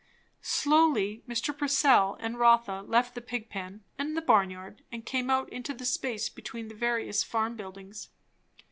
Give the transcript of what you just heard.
Slowly Mr. Purcell and Rotha left the pig pen and the barnyard and came out into the space between the various farm buildings.